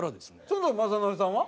その時雅紀さんは？